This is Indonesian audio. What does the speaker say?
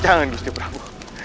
jangan gusti prabu